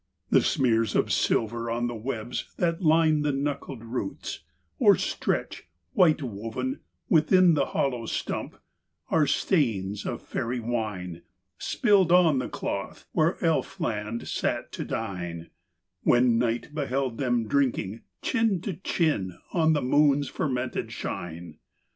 The smears of silver on the webs that line The knuckled roots, or stretch, white wov'n, within The hollow stump, are stains of Faery wine Spilled on the cloth where Elfland sat to dine, When night beheld them drinking, chin to chin, Of th' moon's fermented shine.